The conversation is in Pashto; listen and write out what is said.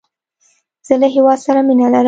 زه له هیواد سره مینه لرم